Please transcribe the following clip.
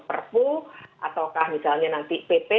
perpu ataukah misalnya nanti pp